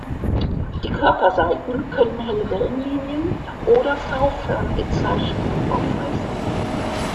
Die Körperseiten können helle Wellenlinien oder V-förmige Zeichnungen aufweisen.